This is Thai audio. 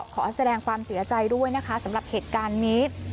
ขอแสดงความเสียใจด้วยนะคะสำหรับเหตุการณ์นี้